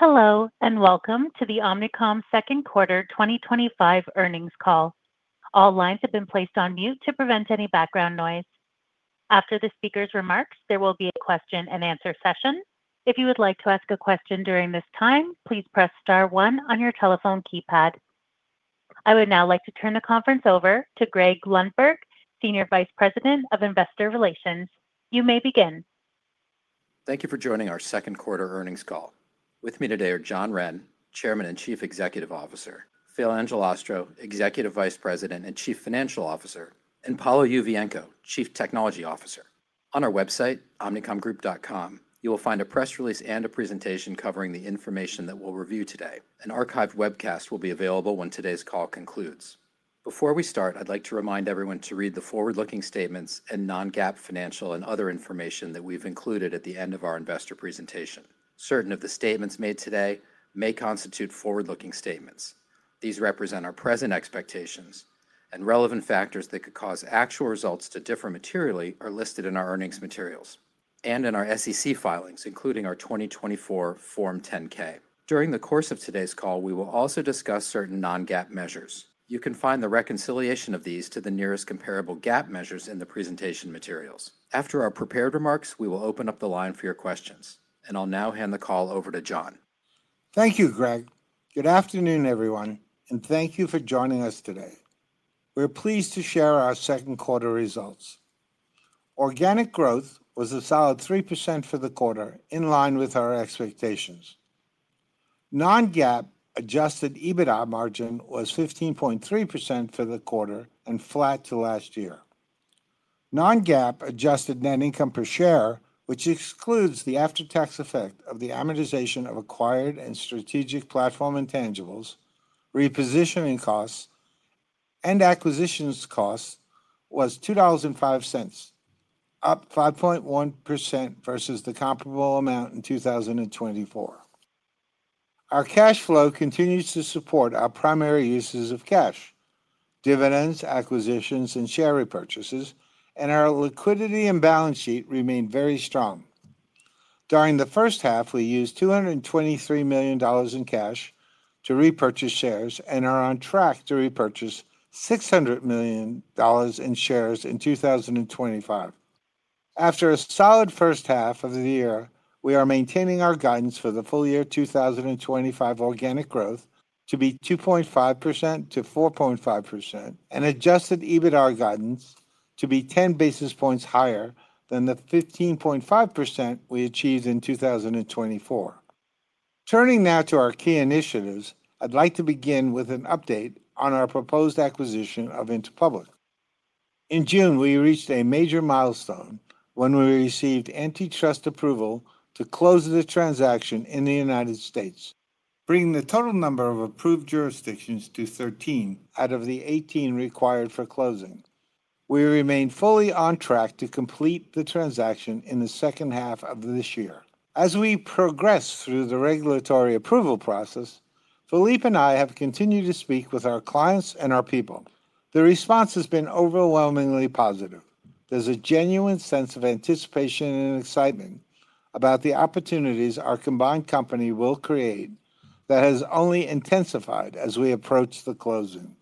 Hello, and welcome to the Omnicom second quarter 2025 earnings call. All lines have been placed on mute to prevent any background noise. After the speaker's remarks, there will be a question-and-answer session. If you would like to ask a question during this time, please press star one on your telephone keypad. I would now like to turn the conference over to Greg Lundberg, Senior Vice President of Investor Relations. You may begin. Thank you for joining our second quarter earnings call. With me today are John Wren, Chairman and Chief Executive Officer; Phil Angelastro, Executive Vice President and Chief Financial Officer; and Paolo Yuvienco, Chief Technology Officer. On our website, omnicomgroup.com, you will find a press release and a presentation covering the information that we'll review today. An archived webcast will be available when today's call concludes. Before we start, I'd like to remind everyone to read the forward-looking statements and non-GAAP financial and other information that we've included at the end of our investor presentation. Certain of the statements made today may constitute forward-looking statements. These represent our present expectations, and relevant factors that could cause actual results to differ materially are listed in our earnings materials and in our SEC filings, including our 2024 Form 10-K. During the course of today's call, we will also discuss certain non-GAAP measures. You can find the reconciliation of these to the nearest comparable GAAP measures in the presentation materials. After our prepared remarks, we will open up the line for your questions, and I'll now hand the call over to John. Thank you, Greg. Good afternoon, everyone, and thank you for joining us today. We're pleased to share our second quarter results. Organic growth was a solid 3% for the quarter, in line with our expectations. Non-GAAP Adjusted EBITDA margin was 15.3% for the quarter and flat to last year. Non-GAAP adjusted net income per share, which excludes the after-tax effect of the amortization of acquired and strategic platform intangibles, repositioning costs, and acquisitions costs, was $0.05, up 5.1% versus the comparable amount in 2024. Our cash flow continues to support our primary uses of cash: dividends, acquisitions, and share repurchases, and our liquidity and balance sheet remain very strong. During the first half, we used $223 million in cash to repurchase shares and are on track to repurchase $600 million in shares in 2025. After a solid first half of the year, we are maintaining our guidance for the full year 2025 organic growth to be 2.5%-4.5%, and Adjusted EBITDA guidance to be 10 basis points higher than the 15.5% we achieved in 2024. Turning now to our key initiatives, I'd like to begin with an update on our proposed acquisition of Interpublic. In June, we reached a major milestone when we received antitrust approval to close the transaction in the United States., bringing the total number of approved jurisdictions to 13 out of the 18 required for closing. We remain fully on track to complete the transaction in the second half of this year. As we progress through the regulatory approval process, Philip and I have continued to speak with our clients and our people. The response has been overwhelmingly positive. There's a genuine sense of anticipation and excitement about the opportunities our combined company will create that has only intensified as we approach the closing.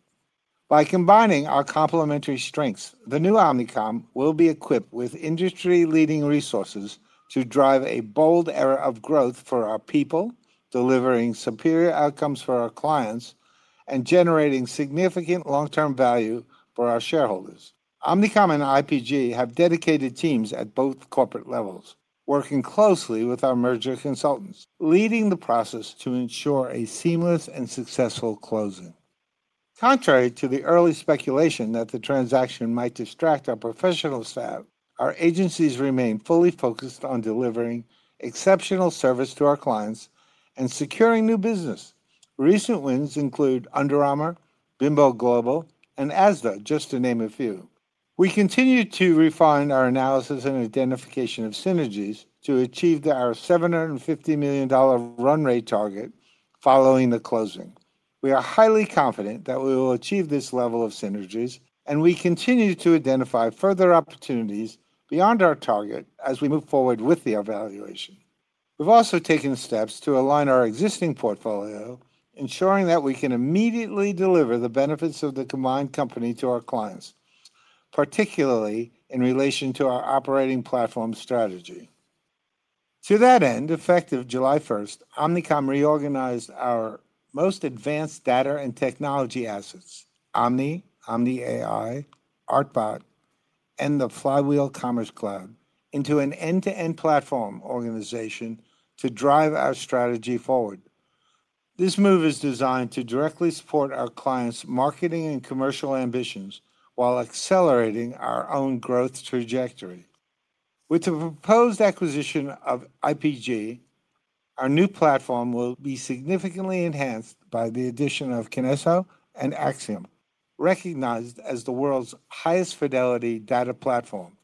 By combining our complementary strengths, the new Omnicom will be equipped with industry-leading resources to drive a bold era of growth for our people, delivering superior outcomes for our clients, and generating significant long-term value for our shareholders. Omnicom and IPG have dedicated teams at both corporate levels, working closely with our merger consultants, leading the process to ensure a seamless and successful closing. Contrary to the early speculation that the transaction might distract our professional staff, our agencies remain fully focused on delivering exceptional service to our clients and securing new business. Recent wins include Under Armour, Grupo Bimbo, and Asda, just to name a few. We continue to refine our analysis and identification of synergies to achieve our $750 million run rate target following the closing. We are highly confident that we will achieve this level of synergies, and we continue to identify further opportunities beyond our target as we move forward with the evaluation. We've also taken steps to align our existing portfolio, ensuring that we can immediately deliver the benefits of the combined company to our clients, particularly in relation to our operating platform strategy. To that end, effective July 1st, Omnicom reorganized our most advanced data and technology assets, Omni, Omni AI, Artbot, and the Flywheel Commerce Cloud, into an end-to-end platform organization to drive our strategy forward. This move is designed to directly support our clients' marketing and commercial ambitions while accelerating our own growth trajectory. With the proposed acquisition of IPG, our new platform will be significantly enhanced by the addition of KINESSO and Acxiom recognized as the world's highest fidelity data platform,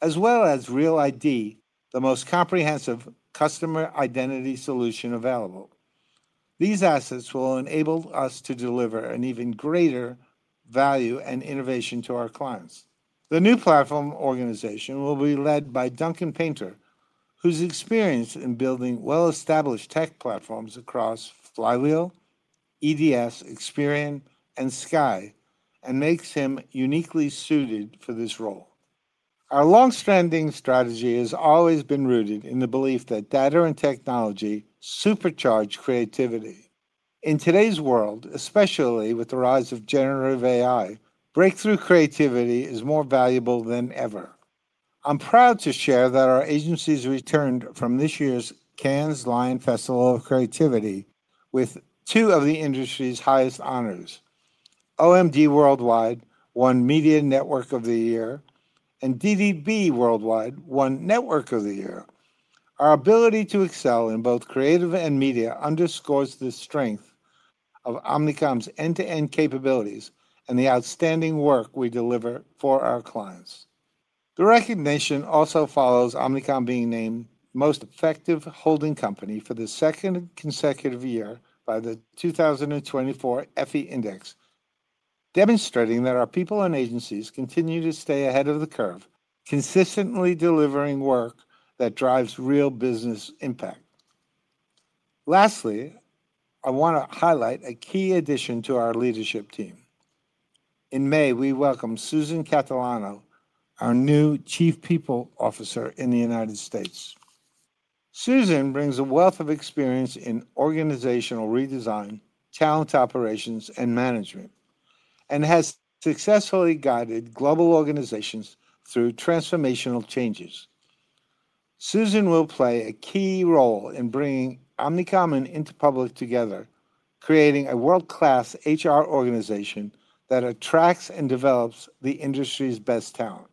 as well as Real-ID, the most comprehensive customer identity solution available. These assets will enable us to deliver an even greater value and innovation to our clients. The new platform organization will be led by Duncan Painter, who's experienced in building well-established tech platforms across Flywheel, EDS, Experian, and Sky, and makes him uniquely suited for this role. Our long-standing strategy has always been rooted in the belief that data and technology supercharge creativity. In today's world, especially with the rise of Generative AI, breakthrough creativity is more valuable than ever. I'm proud to share that our agencies returned from this year's Cannes Lions Festival of Creativity with two of the industry's highest honors. OMD Worldwide won Media Network of the Year, and DDB Worldwide won Network of the Year. Our ability to excel in both Creative and Media underscores the strength of Omnicom's end-to-end capabilities and the outstanding work we deliver for our clients. The recognition also follows Omnicom being named Most Effective Holding Company for the second consecutive year by the 2024 EFI Index, demonstrating that our people and agencies continue to stay ahead of the curve, consistently delivering work that drives real business impact. Lastly, I want to highlight a key addition to our Leadership team. In May, we welcomed Susan Catalano, our new Chief People Officer in the United States. Susan brings a wealth of experience in organizational redesign, talent operations, and management. She has successfully guided global organizations through transformational changes. Susan will play a key role in bringing Omnicom and Interpublic together, creating a world-class HR organization that attracts and develops the industry's best talent.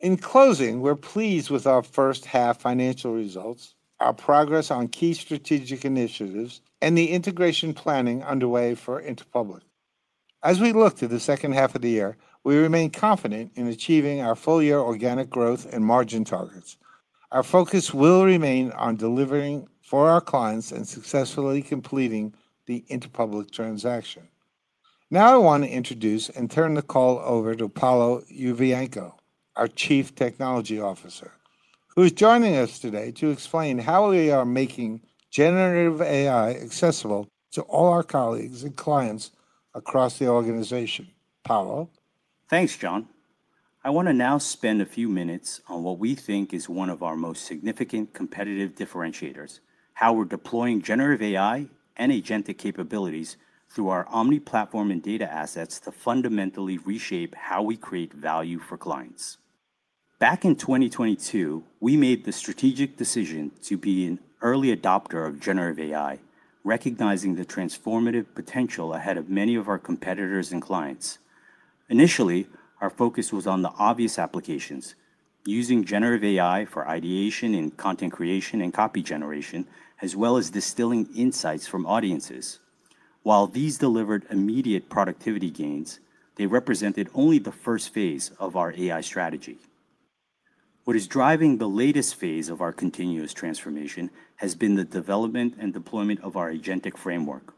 In closing, we're pleased with our first half financial results, our progress on key strategic initiatives, and the integration planning underway for Interpublic. As we look to the second half of the year, we remain confident in achieving our full year organic growth and margin targets. Our focus will remain on delivering for our clients and successfully completing the Interpublic transaction. Now I want to introduce and turn the call over to Paolo Yuvienco, our Chief Technology Officer, who is joining us today to explain how we are making generative AI accessible to all our colleagues and clients across the organization. Paolo. Thanks, John. I want to now spend a few minutes on what we think is one of our most significant competitive differentiators, how we're deploying Generative AI and agentic capabilities through our Omni platform and data assets to fundamentally reshape how we create value for clients. Back in 2022, we made the strategic decision to be an early adopter of Generative AI, recognizing the transformative potential ahead of many of our competitors and clients. Initially, our focus was on the obvious applications, using Generative AI for ideation and content creation and copy generation, as well as distilling insights from audiences. While these delivered immediate productivity gains, they represented only the first phase of our AI strategy. What is driving the latest phase of our continuous transformation has been the development and deployment of our Agentic framework.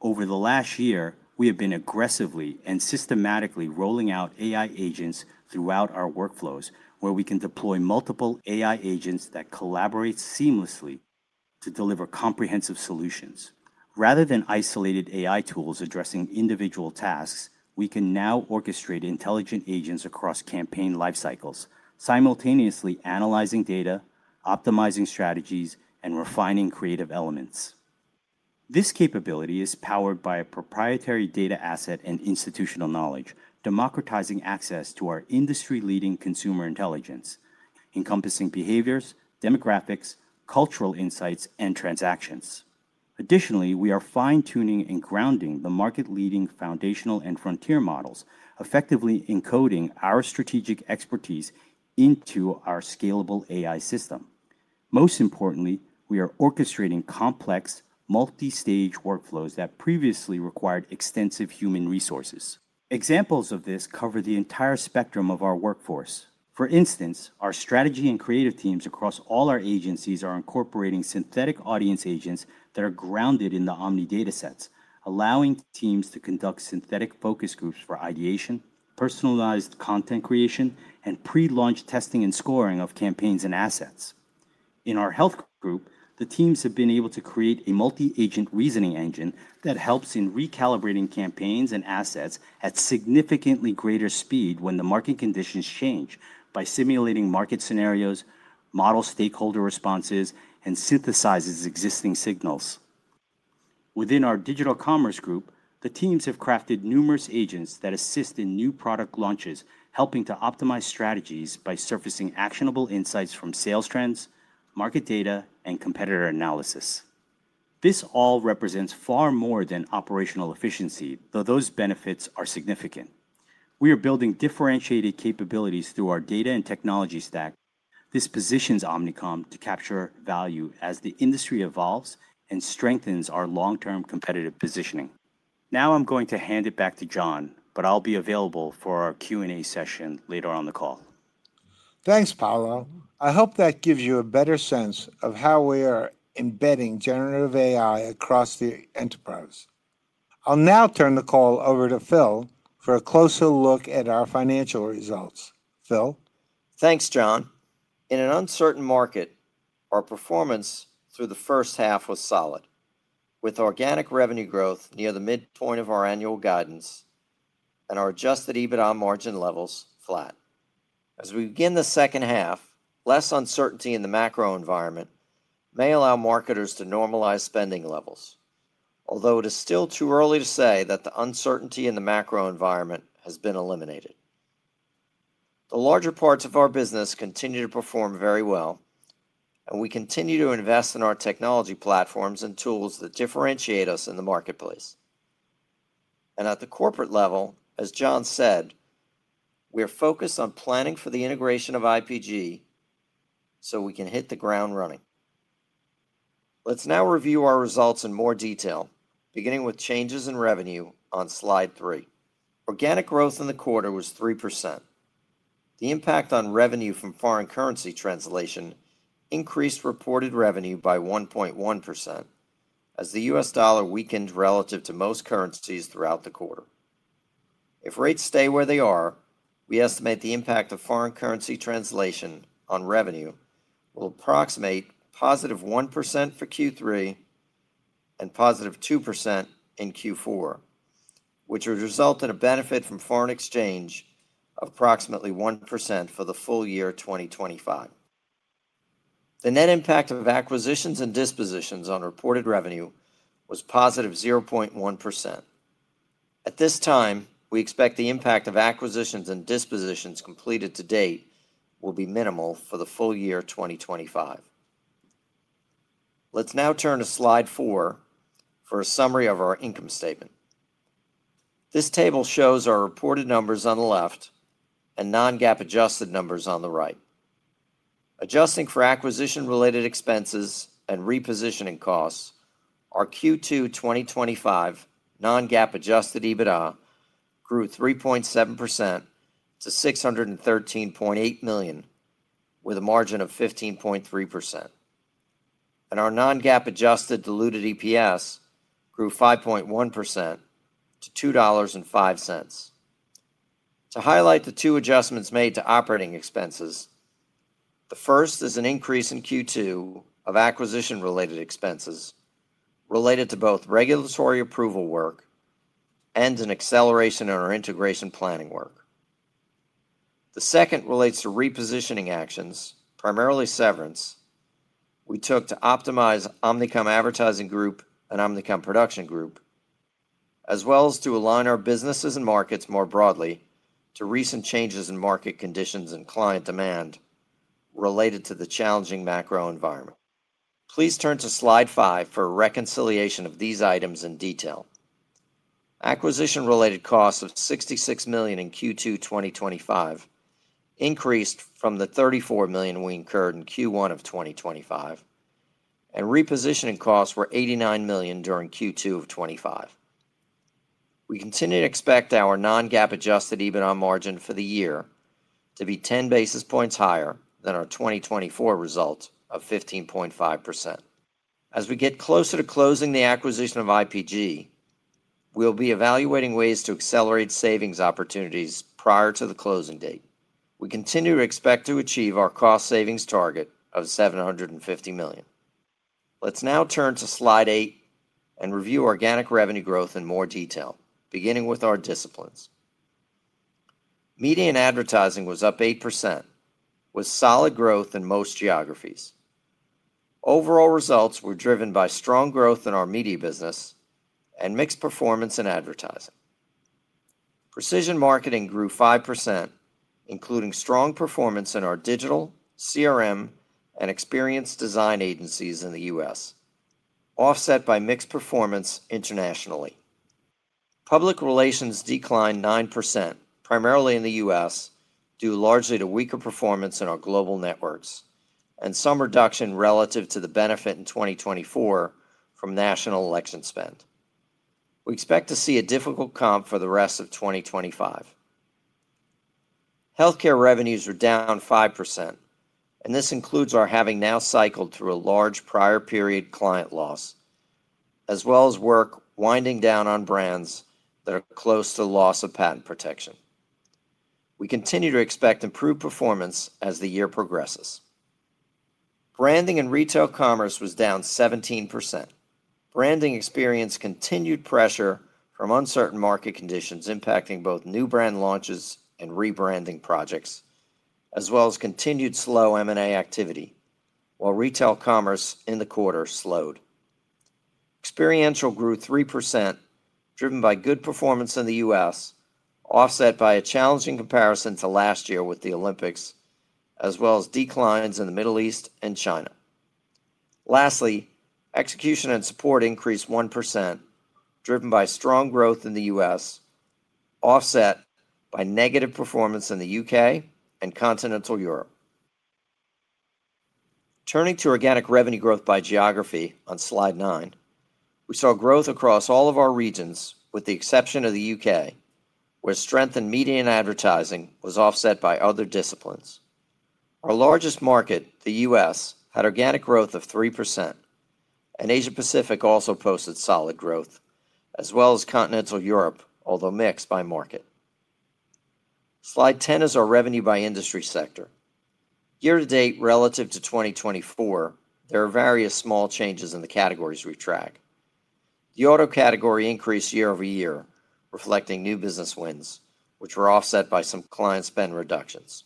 Over the last year, we have been aggressively and systematically rolling out AI agents throughout our workflows, where we can deploy multiple AI agents that collaborate seamlessly to deliver comprehensive solutions. Rather than isolated AI tools addressing individual tasks, we can now orchestrate intelligent agents across campaign lifecycles, simultaneously analyzing data, optimizing strategies, and refining creative elements. This capability is powered by a proprietary data asset and institutional knowledge, democratizing access to our industry-leading consumer intelligence, encompassing behaviors, demographics, cultural insights, and transactions. Additionally, we are fine-tuning and grounding the market-leading foundational and frontier models, effectively encoding our strategic expertise into our scalable AI system. Most importantly, we are orchestrating complex, multi-stage workflows that previously required extensive human resources. Examples of this cover the entire spectrum of our workforce. For instance, our strategy and Creative teams across all our agencies are incorporating synthetic audience agents that are grounded in the Omni datasets, allowing teams to conduct synthetic focus groups for ideation, personalized content creation, and pre-launch testing and scoring of campaigns and assets. In our Health group, the teams have been able to create a multi-agent reasoning engine that helps in recalibrating campaigns and assets at significantly greater speed when the market conditions change by simulating market scenarios, model stakeholder responses, and synthesize existing signals. Within our Digital Commerce group, the teams have crafted numerous agents that assist in new product launches, helping to optimize strategies by surfacing actionable insights from sales trends, market data, and competitor analysis. This all represents far more than operational efficiency, though those benefits are significant. We are building differentiated capabilities through our data and technology stack. This positions Omnicom to capture value as the industry evolves and strengthens our long-term competitive positioning. Now I'm going to hand it back to John, but I'll be available for our Q&A session later on the call. Thanks, Paolo. I hope that gives you a better sense of how we are embedding Generative AI across the enterprise. I'll now turn the call over to Phil for a closer look at our financial results. Phil. Thanks, John. In an uncertain market, our performance through the first half was solid, with organic revenue growth near the midpoint of our annual guidance. Our Adjusted EBITDA margin levels flat. As we begin the second half, less uncertainty in the macro environment may allow marketers to normalize spending levels, although it is still too early to say that the uncertainty in the macro environment has been eliminated. The larger parts of our business continue to perform very well, and we continue to invest in our technology platforms and tools that differentiate us in the marketplace. At the Corporate level, as John said, we are focused on planning for the integration of IPG so we can hit the ground running. Let's now review our results in more detail, beginning with changes in revenue on slide three. Organic growth in the quarter was 3%. The impact on revenue from foreign currency translation increased reported revenue by 1.1% as the U.S. dollar weakened relative to most currencies throughout the quarter. If rates stay where they are, we estimate the impact of foreign currency translation on revenue will approximate positive 1% for Q3 and positive 2% in Q4, which would result in a benefit from foreign exchange of approximately 1% for the full year 2025. The net impact of acquisitions and dispositions on reported revenue was positive 0.1%. At this time, we expect the impact of acquisitions and dispositions completed to date will be minimal for the full year 2025. Let's now turn to slide four for a summary of our income statement. This table shows our reported numbers on the left and non-GAAP adjusted numbers on the right. Adjusting for acquisition-related expenses and repositioning costs, our Q2 2025 non-GAAP Adjusted EBITDA grew 3.7% to $613.8 million, with a margin of 15.3%. Our non-GAAP adjusted diluted EPS grew 5.1% to $2.05. To highlight the two adjustments made to operating expenses, the first is an increase in Q2 of acquisition-related expenses related to both regulatory approval work and an acceleration in our integration planning work. The second relates to repositioning actions, primarily severance, we took to optimize Omnicom Advertising Group and Omnicom Production Group, as well as to align our businesses and markets more broadly to recent changes in market conditions and client demand related to the challenging macro environment. Please turn to slide five for a reconciliation of these items in detail. Acquisition-related costs of $66 million in Q2 2025 increased from the $34 million we incurred in Q1 of 2025. Repositioning costs were $89 million during Q2 of 2025. We continue to expect our non-GAAP Adjusted EBITDA margin for the year to be 10 basis points higher than our 2024 result of 15.5%. As we get closer to closing the acquisition of IPG, we will be evaluating ways to accelerate savings opportunities prior to the closing date. We continue to expect to achieve our cost savings target of $750 million. Let's now turn to slide eight and review organic revenue growth in more detail, beginning with our disciplines. Media and Advertising was up 8%, with solid growth in most geographies. Overall results were driven by strong growth in our Media business and mixed performance in Advertising. Precision marketing grew 5%, including strong performance in our Digital, CRM, and experience design agencies in the U.S., offset by mixed performance internationally. Public relations declined 9%, primarily in the U.S., due largely to weaker performance in our global networks and some reduction relative to the benefit in 2024 from national election spend. We expect to see a difficult comp for the rest of 2025. Healthcare revenues were down 5%, and this includes our having now cycled through a large prior period client loss, as well as work winding down on brands that are close to loss of patent protection. We continue to expect improved performance as the year progresses. Branding and retail commerce was down 17%. Branding experienced continued pressure from uncertain market conditions impacting both new brand launches and rebranding projects, as well as continued slow M&A activity, while retail commerce in the quarter slowed. Experiential grew 3%, driven by good performance in the U.S., offset by a challenging comparison to last year with the Olympics, as well as declines in the Middle East and China. Lastly, execution and support increased 1%, driven by strong growth in the U.S., offset by negative performance in the U.K. and Continental Europe. Turning to organic revenue growth by geography on slide nine, we saw growth across all of our regions, with the exception of the U.K., where strength in Media and Advertising was offset by other disciplines. Our largest market, the U.S., had organic growth of 3%. Asia-Pacific also posted solid growth, as well as Continental Europe, although mixed by market. Slide 10 is our revenue by industry sector. Year-to-date, relative to 2024, there are various small changes in the categories we track. The auto category increased year-over-year, reflecting new business wins, which were offset by some client spend reductions.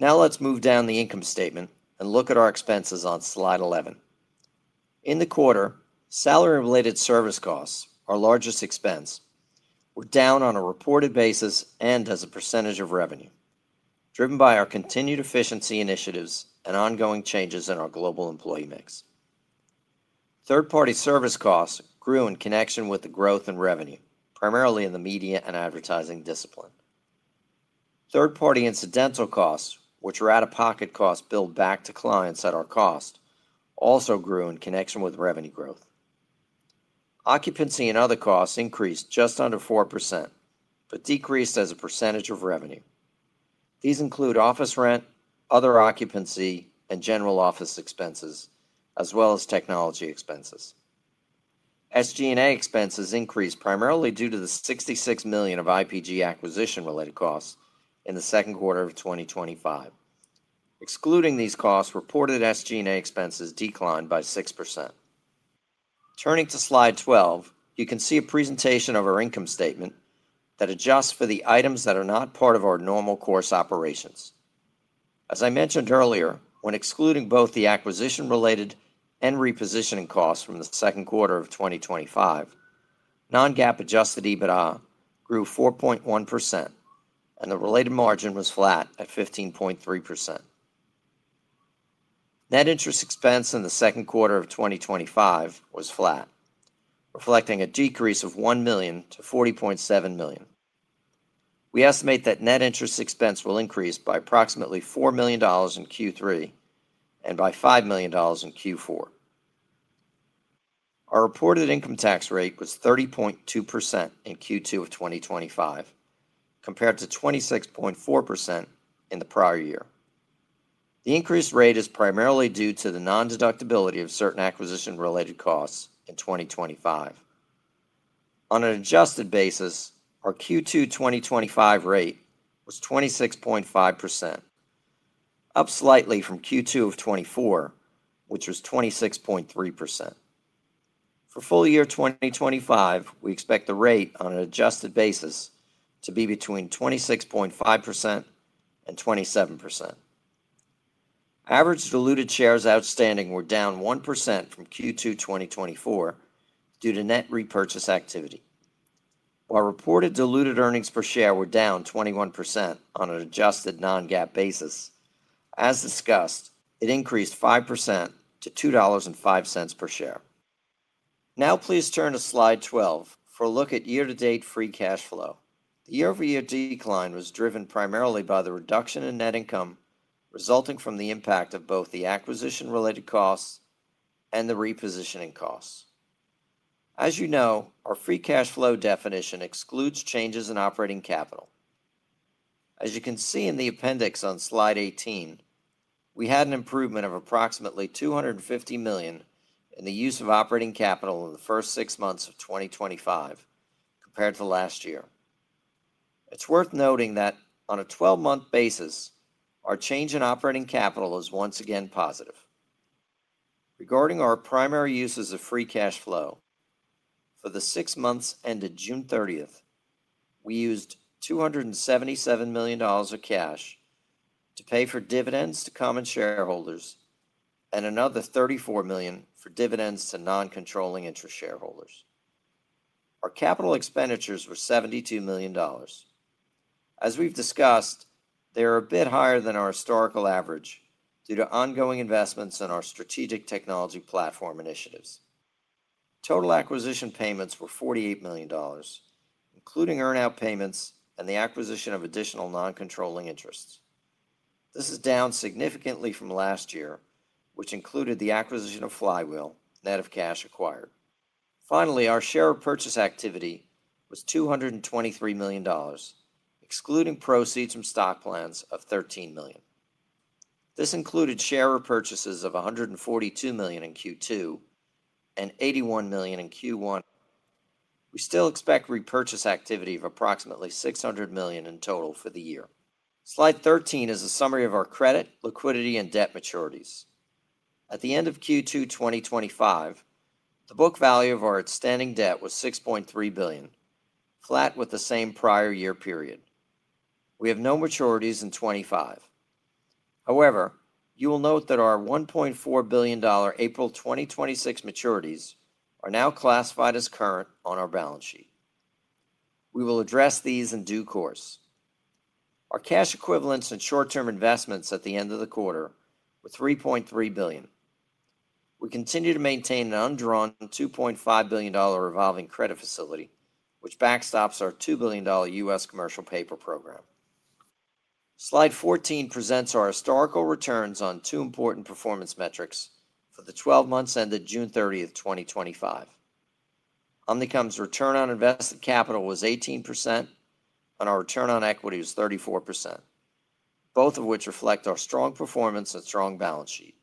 Now let's move down the income statement and look at our expenses on slide 11. In the quarter, salary-related service costs, our largest expense, were down on a reported basis and as a percentage of revenue, driven by our continued efficiency initiatives and ongoing changes in our global employee mix. Third-party service costs grew in connection with the growth in revenue, primarily in the Media and Advertising discipline. Third-party incidental costs, which were out-of-pocket costs billed back to clients at our cost, also grew in connection with revenue growth. Occupancy and other costs increased just under 4%, but decreased as a percentage of revenue. These include office rent, other occupancy, and general office expenses, as well as technology expenses. SG&A expenses increased primarily due to the $66 million of IPG acquisition-related costs in the second quarter of 2025. Excluding these costs, reported SG&A expenses declined by 6%. Turning to slide 12, you can see a presentation of our income statement that adjusts for the items that are not part of our normal course operations. As I mentioned earlier, when excluding both the acquisition-related and repositioning costs from the second quarter of 2025, non-GAAP Adjusted EBITDA grew 4.1%. The related margin was flat at 15.3%. Net interest expense in the second quarter of 2025 was flat, reflecting a decrease of $1 million to $40.7 million. We estimate that net interest expense will increase by approximately $4 million in Q3 and by $5 million in Q4. Our reported income tax rate was 30.2% in Q2 of 2025, compared to 26.4% in the prior year. The increased rate is primarily due to the non-deductibility of certain acquisition-related costs in 2025. On an adjusted basis, our Q2 2025 rate was 26.5%. Up slightly from Q2 of 2024, which was 26.3%. For full year 2025, we expect the rate on an adjusted basis to be between 26.5% and 27%. Average diluted shares outstanding were down 1% from Q2 2024 due to net repurchase activity. While reported diluted earnings per share were down 21%, on an adjusted non-GAAP basis, as discussed, it increased 5% to $2.05 per share. Now please turn to slide 12 for a look at year-to-date free cash flow. The year-over-year decline was driven primarily by the reduction in net income resulting from the impact of both the acquisition-related costs and the repositioning costs. As you know, our free cash flow definition excludes changes in operating capital. As you can see in the appendix on slide 18, we had an improvement of approximately $250 million in the use of operating capital in the first six months of 2025. Compared to last year. It's worth noting that on a 12-month basis, our change in operating capital is once again positive. Regarding our primary uses of free cash flow. For the six months ended June 30th, we used $277 million of cash to pay for dividends to common shareholders and another $34 million for dividends to non-controlling interest shareholders. Our capital expenditures were $72 million. As we've discussed, they are a bit higher than our historical average due to ongoing investments in our strategic technology platform initiatives. Total acquisition payments were $48 million. Including earn-out payments and the acquisition of additional non-controlling interests. This is down significantly from last year, which included the acquisition of Flywheel, net of cash acquired. Finally, our share of purchase activity was $223 million, excluding proceeds from stock plans of $13 million. This included share of purchases of $142 million in Q2 and $81 million in Q1. We still expect repurchase activity of approximately $600 million in total for the year. Slide 13 is a summary of our credit, liquidity, and debt maturities. At the end of Q2 2025, the book value of our outstanding debt was $6.3 billion, flat with the same prior year period. We have no maturities in 2025. However, you will note that our $1.4 billion April 2026 maturities are now classified as current on our balance sheet. We will address these in due course. Our cash equivalents and short-term investments at the end of the quarter were $3.3 billion. We continue to maintain an undrawn $2.5 billion revolving credit facility, which backstops our $2 billion U.S. Commercial Paper Program. Slide 14 presents our historical returns on two important performance metrics for the 12 months ended June 30th, 2025. Omnicom's return on invested capital was 18%. And our return on equity was 34%. Both of which reflect our strong performance and strong balance sheet.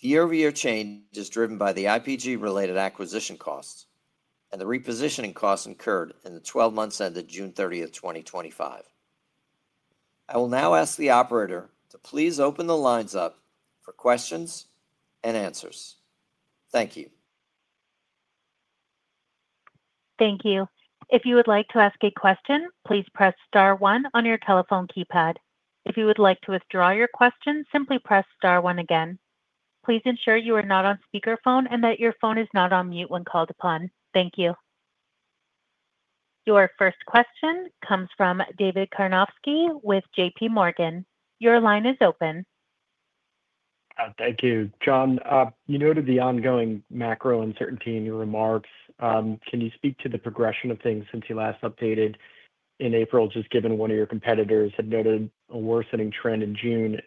The year-over-year change is driven by the IPG-related acquisition costs and the repositioning costs incurred in the 12 months ended June 30th, 2025. I will now ask the operator to please open the lines up for questions-and-answers. Thank you. Thank you. If you would like to ask a question, please press star one on your telephone keypad. If you would like to withdraw your question, simply press star one again. Please ensure you are not on speakerphone and that your phone is not on mute when called upon. Thank you. Your first question comes from David Karnovsky with JPMorgan. Your line is open. Thank you, John. You noted the ongoing macro uncertainty in your remarks. Can you speak to the progression of things since you last updated in April, just given one of your competitors had noted a worsening trend in June?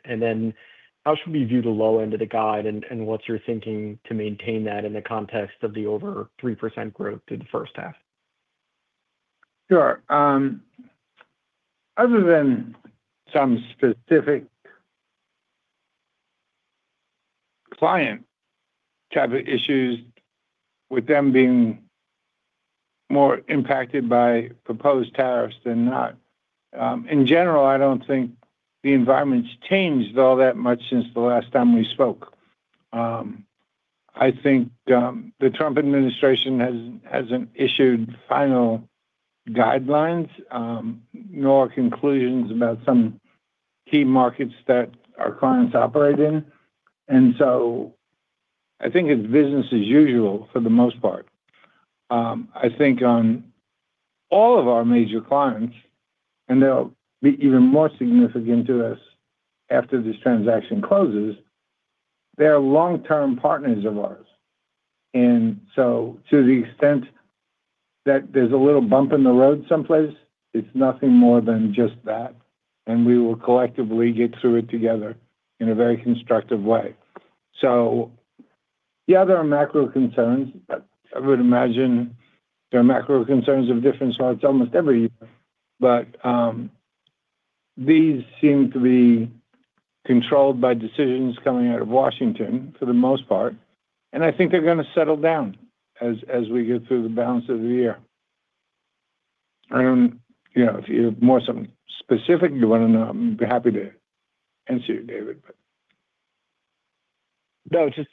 How should we view the low end of the guide and what's your thinking to maintain that in the context of the over 3% growth through the first half? Sure. Other than some specific client type of issues with them being more impacted by proposed tariffs than not, in general, I don't think the environment's changed all that much since the last time we spoke. I think the Trump administration hasn't issued final guidelines nor conclusions about some key markets that our clients operate in. I think it's business as usual for the most part. I think on all of our major clients, and they'll be even more significant to us after this transaction closes. They're long-term partners of ours. To the extent that there's a little bump in the road someplace, it's nothing more than just that. We will collectively get through it together in a very constructive way. Yeah, there are macro concerns. I would imagine there are macro concerns of different sorts almost every year. These seem to be controlled by decisions coming out of Washington for the most part. I think they're going to settle down as we get through the balance of the year. I don't know if you have more something specific you want to know. I'm happy to answer you, David, but No, just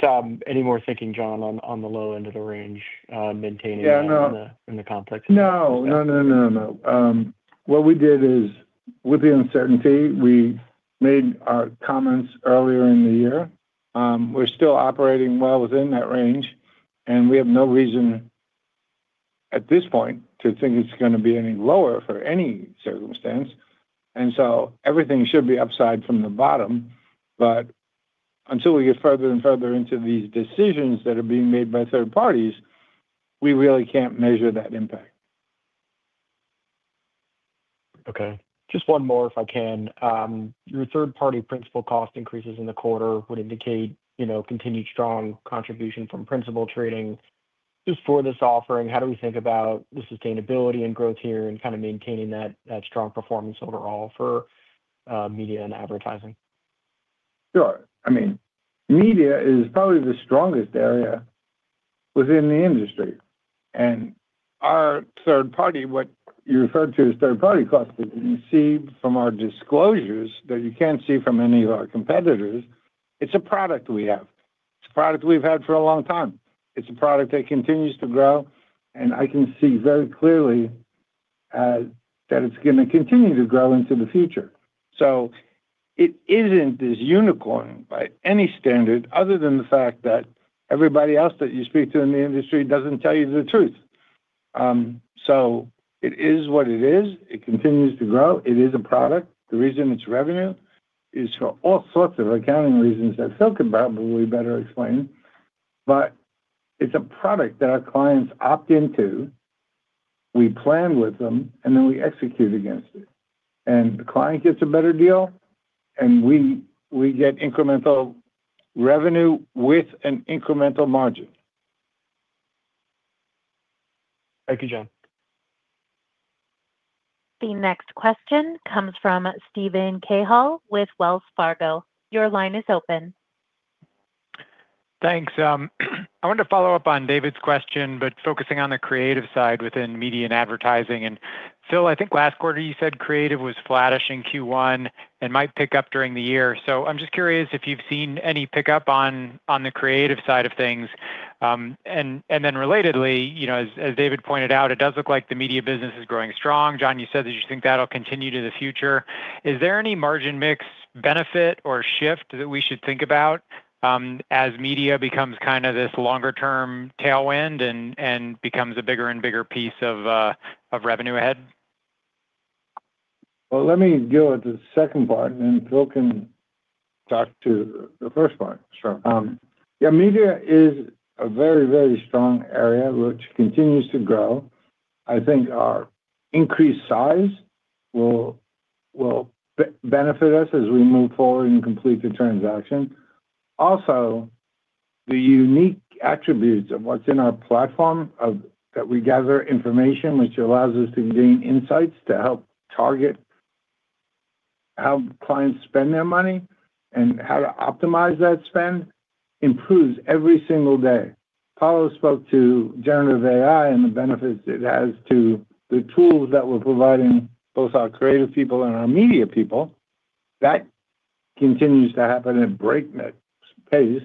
any more thinking, John, on the low end of the range, maintaining that in the context. No, no, no, no, no. What we did is, with the uncertainty, we made our comments earlier in the year. We're still operating well within that range. We have no reason at this point to think it's going to be any lower for any circumstance. Everything should be upside from the bottom. Until we get further and further into these decisions that are being made by third-parties, we really can't measure that impact. Okay. Just one more, if I can. Your third-party principal cost increases in the quarter would indicate continued strong contribution from principal trading. Just for this offering, how do we think about the sustainability and growth here and kind of maintaining that strong performance overall for Media and Advertising? Sure. I mean, Media is probably the strongest area within the industry. And our third-party, what you referred to as third-party costs, you can see from our disclosures that you cannot see from any of our competitors. It is a product we have. It is a product we have had for a long time. It is a product that continues to grow. I can see very clearly that it is going to continue to grow into the future. It is not this unicorn by any standard other than the fact that everybody else that you speak to in the industry does not tell you the truth. It is what it is. It continues to grow. It is a product. The reason it is revenue is for all sorts of accounting reasons that Phil can probably better explain. It is a product that our clients opt into. We plan with them, and then we execute against it. The client gets a better deal, and we get incremental revenue with an incremental margin. Thank you, John. The next question comes from Steven Cahall with Wells Fargo. Your line is open. Thanks. I want to follow up on David's question, but focusing on the Creative side within Media and Advertising. Phil, I think last quarter you said Creative was flattish in Q1 and might pick up during the year. I am just curious if you have seen any pickup on the Creative side of things. Relatedly, as David pointed out, it does look like the Media business is growing strong. John, you said that you think that will continue to the future. Is there any margin mix benefit or shift that we should think about. As Media becomes kind of this longer-term tailwind and becomes a bigger and bigger piece of revenue ahead? Let me deal with the second part, and then Phil can talk to the first part. Sure. Yeah, Media is a very, very strong area which continues to grow. I think our increased size will benefit us as we move forward and complete the transaction. Also, the unique attributes of what's in our platform that we gather information, which allows us to gain insights to help target how clients spend their money and how to optimize that spend improves every single day. Paolo spoke to Generative AI and the benefits it has to the tools that we're providing both our Creative people and our Media people. That continues to happen at breakneck pace.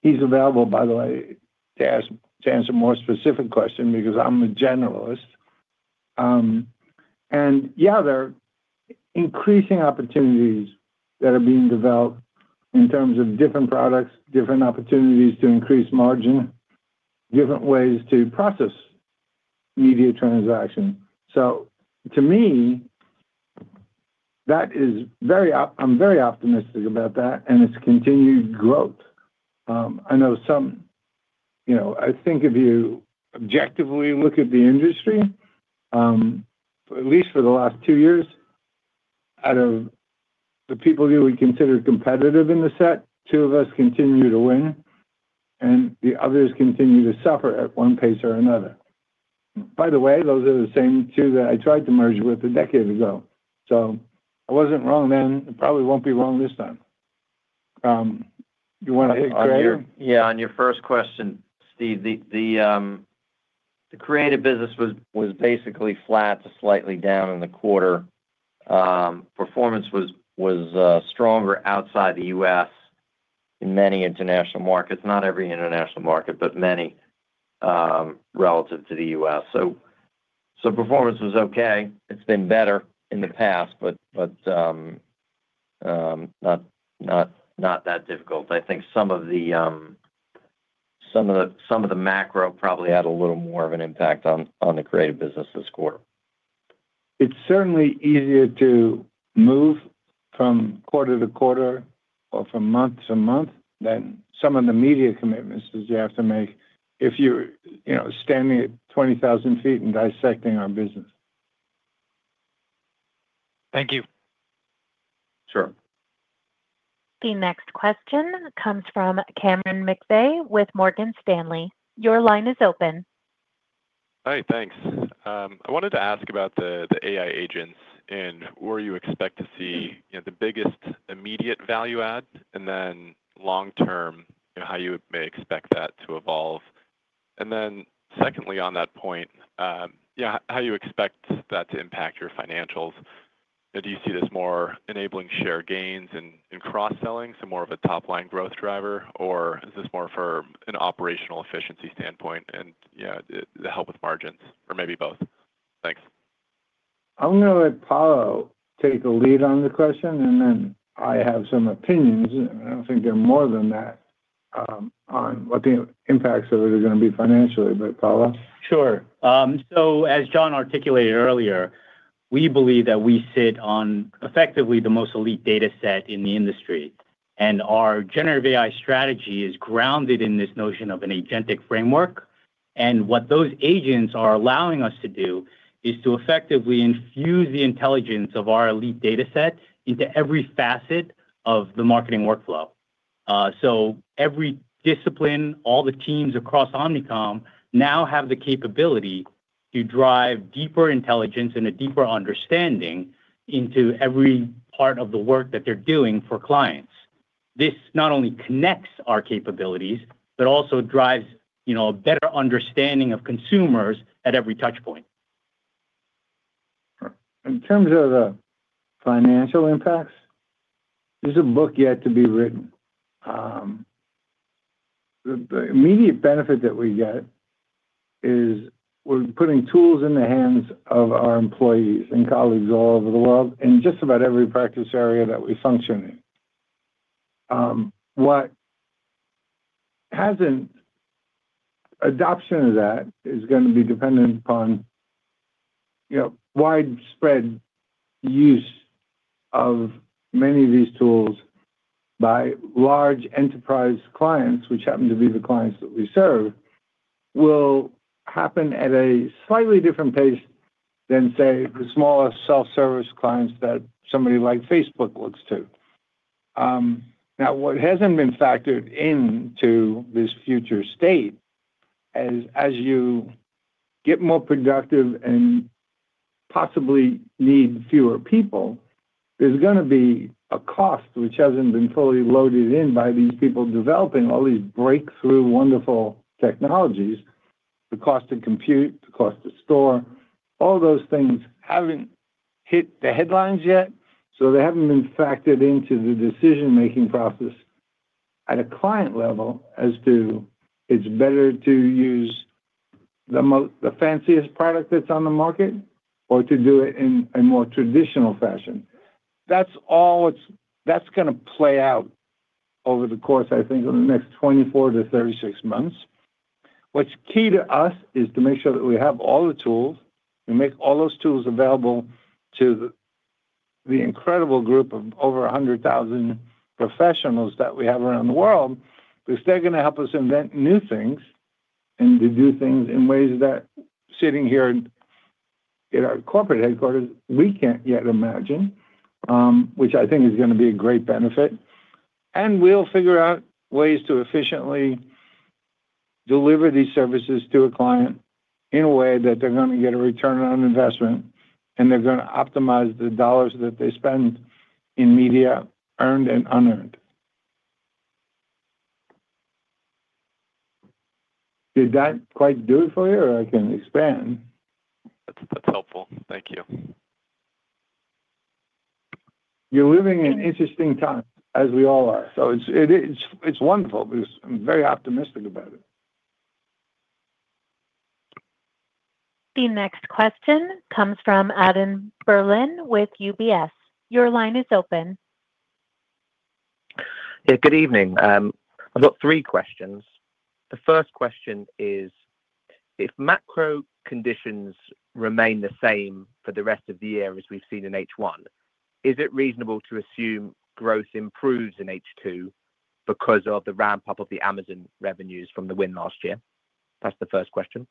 He is available, by the way, to answer more specific questions because I'm a generalist. Yeah, there are increasing opportunities that are being developed in terms of different products, different opportunities to increase margin, different ways to process Media transactions. To me, that is very—I am very optimistic about that, and its continued growth. I know if you objectively look at the industry, at least for the last two years, out of the people who we consider competitive in the set, two of us continue to win, and the others continue to suffer at one pace or another. By the way, those are the same two that I tried to merge with a decade ago. I was not wrong then. I probably will not be wrong this time. You want to hit Creative? Yeah, on your first question, Steve, the Creative business was basically flat to slightly down in the quarter. Performance was stronger outside the U.S. in many international markets. Not every international market, but many relative to the U.S. Performance was okay. It's been better in the past, but not that difficult. I think some of the macro probably had a little more of an impact on the Creative business this quarter. It's certainly easier to move from quarter-to-quarter or from month to month than some of the Media commitments that you have to make if you're standing at 20,000 ft and dissecting our business. Thank you. Sure. The next question comes from Cameron McVeigh with Morgan Stanley. Your line is open. Hi, thanks. I wanted to ask about the AI agents. And where do you expect to see the biggest immediate value add and then long-term how you may expect that to evolve? And then secondly on that point. How do you expect that to impact your financials? Do you see this more enabling share gains and cross-selling, so more of a top-line growth driver, or is this more for an operational efficiency standpoint and to help with margins or maybe both? Thanks. I'm going to let Paolo take the lead on the question, and then I have some opinions. I don't think they're more than that on what the impacts of it are going to be financially, but Paolo? Sure. As John articulated earlier, we believe that we sit on effectively the most elite data set in the industry. Our generative AI strategy is grounded in this notion of an agentic framework. What those agents are allowing us to do is to effectively infuse the intelligence of our elite data set into every facet of the marketing workflow. Every discipline, all the teams across Omnicom now have the capability to drive deeper intelligence and a deeper understanding into every part of the work that they're doing for clients. This not only connects our capabilities, but also drives a better understanding of consumers at every touchpoint. In terms of the financial impacts, there's a book yet to be written. The immediate benefit that we get is we're putting tools in the hands of our employees and colleagues all over the world in just about every practice area that we function in. Adoption of that is going to be dependent upon widespread use of many of these tools. By large enterprise clients, which happen to be the clients that we serve, will happen at a slightly different pace than, say, the smaller self-service clients that somebody like Facebook looks to. Now, what hasn't been factored into this future state is as you get more productive and possibly need fewer people, there's going to be a cost which hasn't been fully loaded in by these people developing all these breakthrough wonderful technologies. The cost to compute, the cost to store, all those things haven't hit the headlines yet, so they haven't been factored into the decision-making process at a client level as to if it's better to use the fanciest product that's on the market or to do it in a more traditional fashion. That's going to play out over the course, I think, of the next 24-36 months. What's key to us is to make sure that we have all the tools and make all those tools available to. The incredible group of over 100,000 professionals that we have around the world because they're going to help us invent new things. And to do things in ways that sitting here at our Corporate headquarters, we can't yet imagine. Which I think is going to be a great benefit. And we'll figure out ways to efficiently deliver these services to a client in a way that they're going to get a return on investment, and they're going to optimize the dollars that they spend in Media earned and unearned. Did that quite do it for you, or I can expand? That's helpful. Thank you. You're living in interesting times, as we all are. So it's wonderful because I'm very optimistic about it. The next question comes from Adam Berlin with UBS. Your line is open. Yeah, good evening. I've got three questions. The first question is. If macro conditions remain the same for the rest of the year as we've seen in H1, is it reasonable to assume growth improves in H2 because of the ramp-up of the Amazon revenues from the win last year? That's the first question.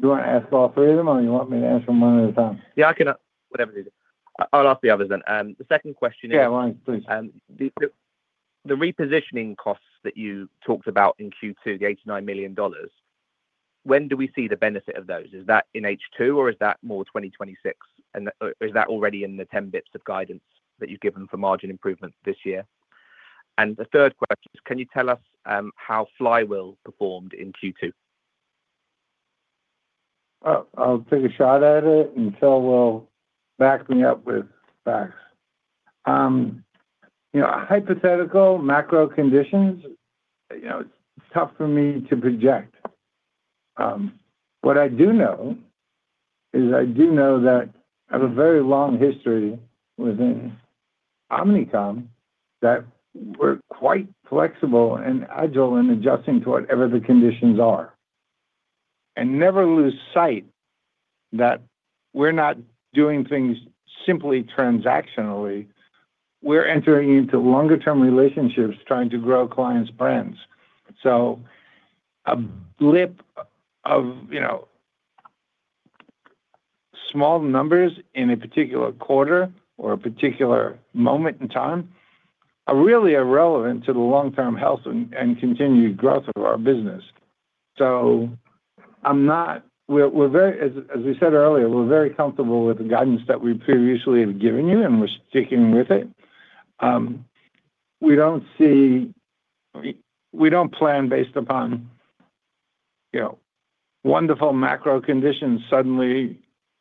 Do you want to ask all three of them, or do you want me to answer one at a time? Yeah, I can ask whatever it is. I'll ask the others then. The second question is, Yeah, one, please. The repositioning costs that you talked about in Q2, the $89 million. When do we see the benefit of those? Is that in H2, or is that more 2026? And is that already in the 10 bits of guidance that you've given for margin improvement this year? And the third question is, can you tell us how Flywheel performed in Q2? I'll take a shot at it until you'll back me up with facts. Hypothetical macro conditions, it's tough for me to project. What I do know is I do know that I have a very long history within Omnicom that we're quite flexible and agile in adjusting to whatever the conditions are. Never lose sight that we're not doing things simply transactionally. We're entering into longer-term relationships trying to grow clients' brands. A blip of small numbers in a particular quarter or a particular moment in time are really irrelevant to the long-term health and continued growth of our business. We're very—as we said earlier, we're very comfortable with the guidance that we previously have given you, and we're sticking with it. We don't see—we don't plan based upon wonderful macro conditions suddenly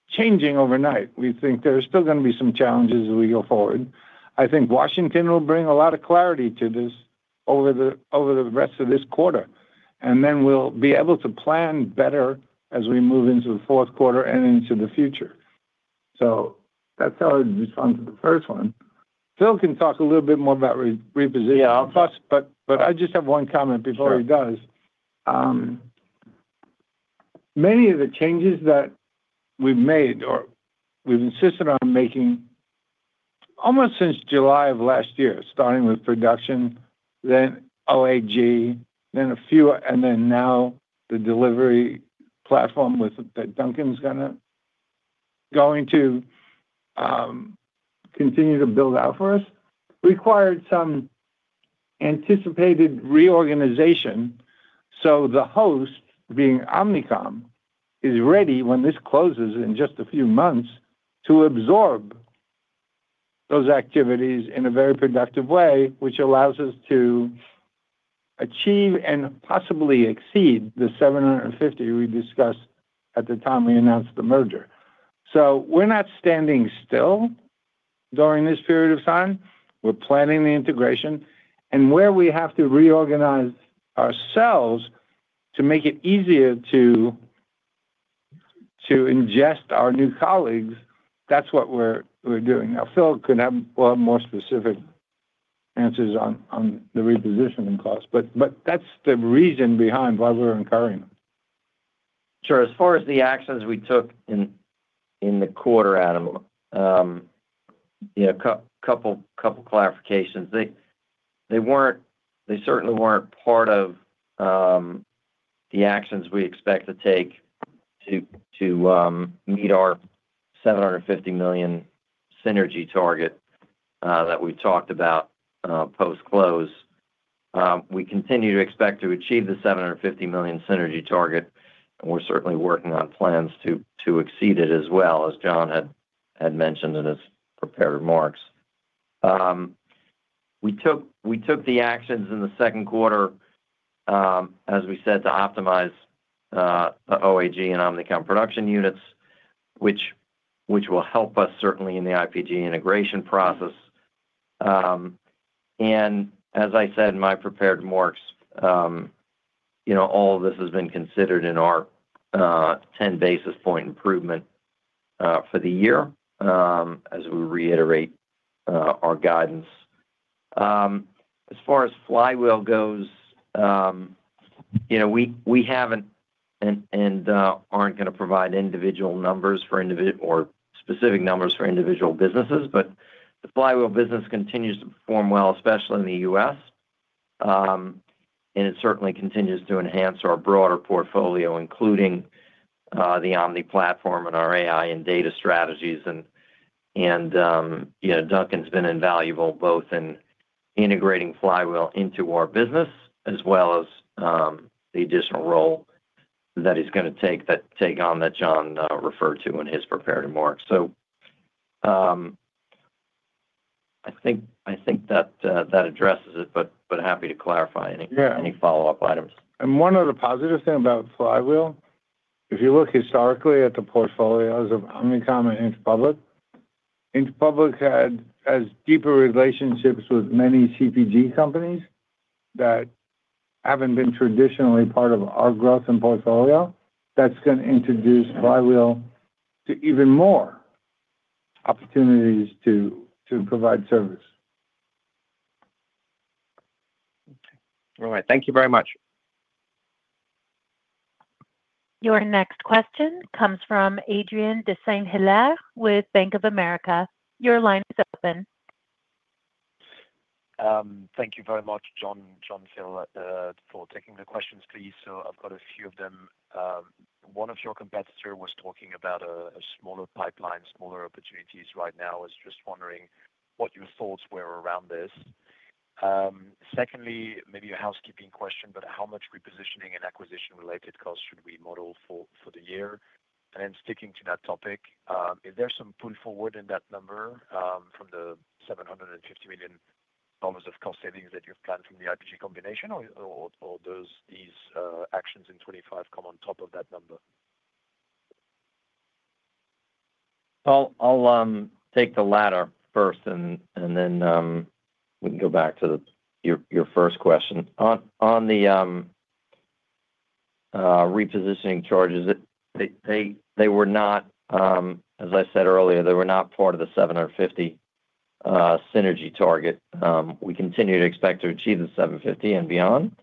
changing overnight. We think there are still going to be some challenges as we go forward. I think Washington will bring a lot of clarity to this over the rest of this quarter. We will be able to plan better as we move into the fourth quarter and into the future. That is how I would respond to the first one. Phil can talk a little bit more about repositioning costs, but I just have one comment before he does. Many of the changes that we have made or we have insisted on making, almost since July of last year, starting with production, then OAG, then a few, and now the delivery platform that Duncan is going to continue to build out for us, required some anticipated reorganization. The host, being Omnicom, is ready when this closes in just a few months to absorb. Those activities in a very productive way, which allows us to achieve and possibly exceed the $750 million we discussed at the time we announced the merger. We are not standing still. During this period of time, we are planning the integration. Where we have to reorganize ourselves to make it easier to ingest our new colleagues, that is what we are doing. Now, Phil will have more specific answers on the repositioning costs, but that is the reason behind why we are incurring them. Sure. As far as the actions we took in the quarter, Adam, a couple of clarifications. They certainly were not part of the actions we expect to take to meet our $750 million synergy target that we talked about post-close. We continue to expect to achieve the $750 million synergy target, and we are certainly working on plans to exceed it as well, as John had mentioned in his prepared remarks. We took the actions in the second quarter, as we said, to optimize the OAG and Omnicom production units, which will help us certainly in the IPG integration process. As I said in my prepared remarks, all of this has been considered in our 10 basis point improvement for the year as we reiterate our guidance. As far as Flywheel goes, we haven't and aren't going to provide individual numbers or specific numbers for individual businesses, but the Flywheel business continues to perform well, especially in the U.S., and it certainly continues to enhance our broader portfolio, including the Omni platform and our AI and data strategies. Duncan's been invaluable both in integrating Flywheel into our business as well as the additional role that he's going to take on that John referred to in his prepared remarks. I think that addresses it, but happy to clarify any follow-up items. One other positive thing about Flywheel, if you look historically at the portfolios of Omnicom and Interpublic. Interpublic has deeper relationships with many CPG companies that have not been traditionally part of our growth and portfolio. That is going to introduce Flywheel to even more opportunities to provide service. All right. Thank you very much. Your next question comes from Adrien de Saint Hilaire with Bank of America. Your line is open. Thank you very much, John, for taking the questions, please. I have a few of them. One of your competitors was talking about a smaller pipeline, smaller opportunities right now. I was just wondering what your thoughts were around this. Secondly, maybe a housekeeping question, but how much repositioning and acquisition-related costs should we model for the year? Then sticking to that topic, is there some pull forward in that number from the $750 million of cost savings that you've planned from the IPG combination, or do these actions in 2025 come on top of that number? I'll take the latter first, and then we can go back to your first question. On the repositioning charges. They were not, as I said earlier, they were not part of the $750 million synergy target. We continue to expect to achieve the $750 million and beyond,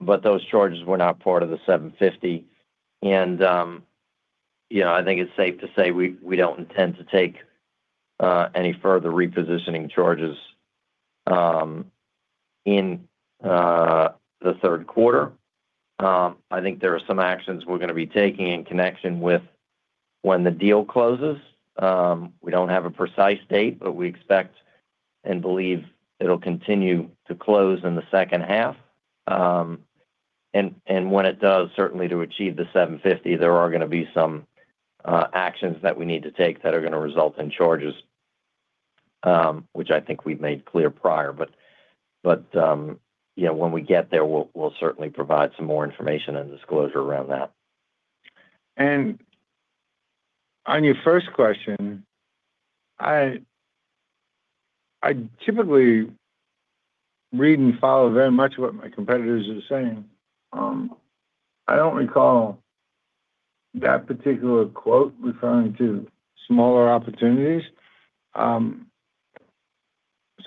but those charges were not part of the $750 million. I think it's safe to say we don't intend to take any further repositioning charges in the third quarter. I think there are some actions we're going to be taking in connection with when the deal closes. We do not have a precise date, but we expect and believe it will continue to close in the second half. When it does, certainly to achieve the $750 million, there are going to be some actions that we need to take that are going to result in charges, which I think we have made clear prior. When we get there, we will certainly provide some more information and disclosure around that. On your first question, I typically read and follow very much what my competitors are saying. I do not recall that particular quote referring to smaller opportunities, so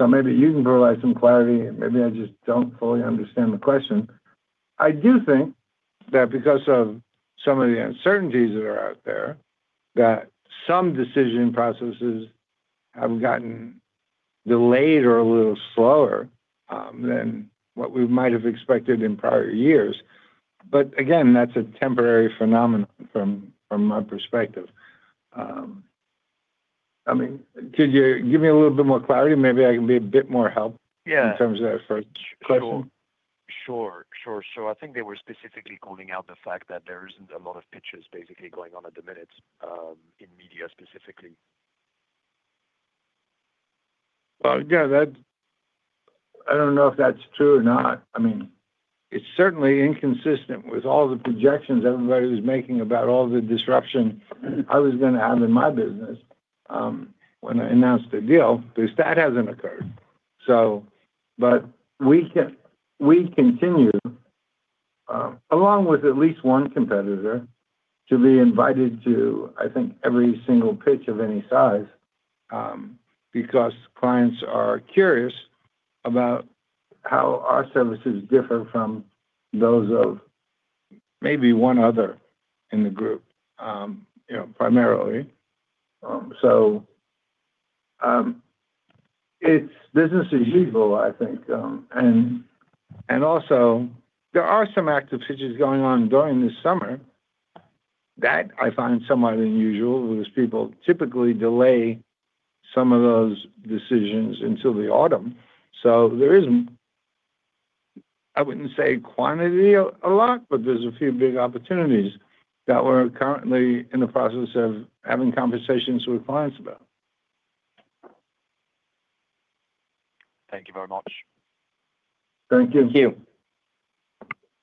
maybe you can provide some clarity. Maybe I just do not fully understand the question. I do think that because of some of the uncertainties that are out there, some decision processes have gotten delayed or a little slower than what we might have expected in prior years. Again, that's a temporary phenomenon from my perspective. I mean, could you give me a little bit more clarity? Maybe I can be a bit more helpful in terms of that first question. Sure. Sure. I think they were specifically calling out the fact that there isn't a lot of pitches basically going on at the minute in Media specifically. Yeah. I don't know if that's true or not. I mean, it's certainly inconsistent with all the projections everybody was making about all the disruption I was going to have in my business. When I announced the deal because that hasn't occurred. We continue, along with at least one competitor, to be invited to, I think, every single pitch of any size. Clients are curious about how our services differ from those of maybe one other in the group, primarily. It's business as usual, I think. Also, there are some active pitches going on during this summer that I find somewhat unusual because people typically delay some of those decisions until the autumn. There is, I wouldn't say quantity a lot, but there's a few big opportunities that we're currently in the process of having conversations with clients about. Thank you very much. Thank you. Thank you.